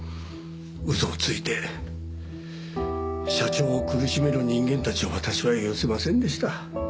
嘘をついて社長を苦しめる人間たちを私は許せませんでした。